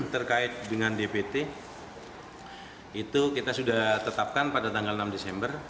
terkait dengan dpt itu kita sudah tetapkan pada tanggal enam desember